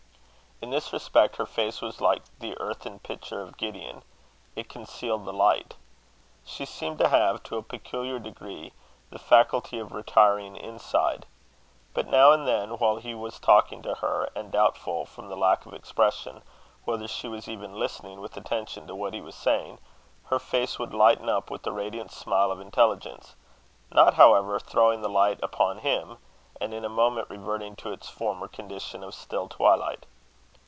In this respect her face was like the earthen pitcher of Gideon: it concealed the light. She seemed to have, to a peculiar degree, the faculty of retiring inside. But now and then, while he was talking to her, and doubtful, from the lack of expression, whether she was even listening with attention to what he was saying, her face would lighten up with a radiant smile of intelligence; not, however, throwing the light upon him, and in a moment reverting to its former condition of still twilight.